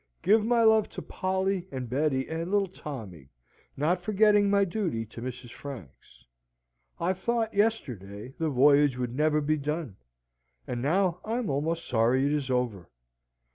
Give my love to Polly, and Betty, and Little Tommy; not forgetting my duty to Mrs. Franks. I thought, yesterday, the voyage would never be done, and now I am almost sorry it is over.